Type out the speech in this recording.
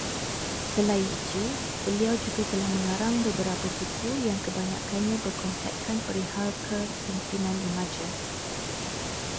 Selain itu, beliau juga telah mengarang beberapa buku yang kebanyakkannya berkonsepkan perihal kepemimpinan remaja